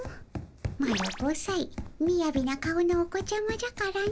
マロ５さいみやびな顔のお子ちゃまじゃからの。